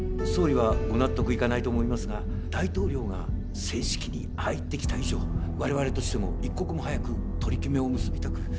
総理はご納得いかないと思いますが大統領が正式にああ言ってきた以上我々としても一刻も早く取り決めを結びたく。